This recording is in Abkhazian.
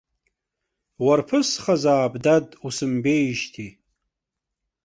Уарԥысхазаап, дад, усымбеижьҭеи.